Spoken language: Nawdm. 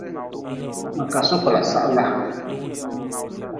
Ma ka sokla sahla.